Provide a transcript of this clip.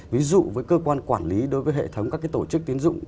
ví dụ với cơ quan quản lý đối với hệ thống các tổ chức tiến dụng